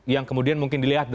yang kemudian mungkin dilihat